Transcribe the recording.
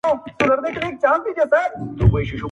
اوس هره شپه خوب کي بلا وينمه.